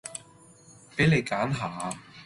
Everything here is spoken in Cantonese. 畀你揀下